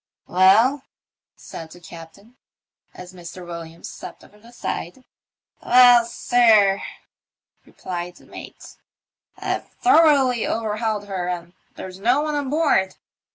" Well ?" said the captain, as Mr. Williams stepped over the side. " Well, sir," replied the mate, " I've thoroughly over hauled her and there's no one on board.